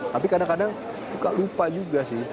tapi kadang kadang suka lupa juga sih